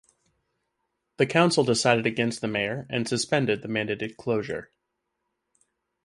The Council decided against the mayor and suspended the mandated closure.